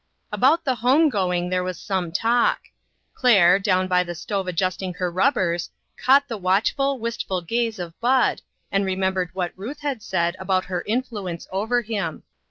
About the home going there was some talk. Claire, down by the stove adjusting her rub bers, caught the watchful, wistful gaze of Bud, and remembered what Ruth had said about her influence over him.